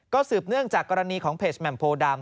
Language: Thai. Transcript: สืบเนื่องจากกรณีของเพจแหม่มโพดำ